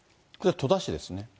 戸田市ですね。